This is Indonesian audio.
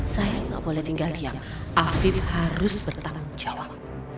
saya nggak boleh tinggal diam afif harus bertanggung jawab